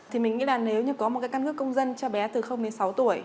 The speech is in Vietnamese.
thì mình nghĩ là nếu như có một cái căn cước công dân cho bé từ đến sáu tuổi